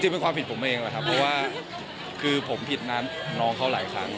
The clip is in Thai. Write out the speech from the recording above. เป็นความผิดผมเองแหละครับเพราะว่าคือผมผิดน้ำน้องเขาหลายครั้ง